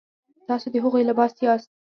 تاسو د هغوی لباس یاست.